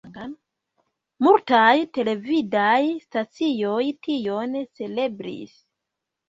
Multaj televidaj stacioj tion celebris.